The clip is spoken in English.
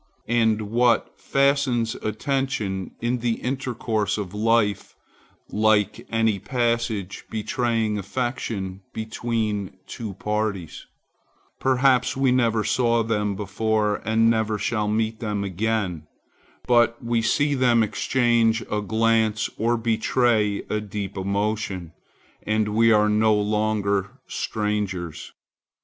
And what fastens attention, in the intercourse of life, like any passage betraying affection between two parties? Perhaps we never saw them before, and never shall meet them again. But we see them exchange a glance, or betray a deep emotion, and we are no longer strangers.